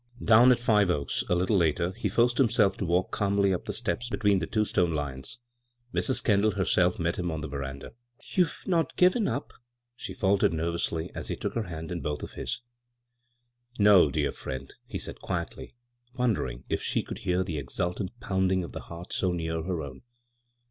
Down at Five Oaks a little later he forced himself to walk calmly up the steps between the two stone lions. Mts, Kendall herself met him on the veranda. " You've not — given up ?" she fcdtered nervously, as he took her hand in both of his. " No, dear friend," he said quiedy, won dering if she could hear the exultant pounding of the heart so near her own.